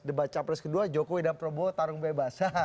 debat capres kedua jokowi dan prabowo tarung bebas